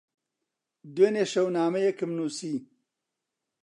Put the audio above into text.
دوێنێ شەو نامەیەکم نووسی.